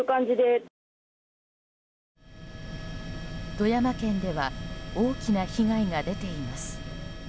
富山県では大きな被害が出ています。